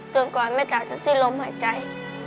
ก่อนแม่จ๋าจะสิ้นลมหายใจ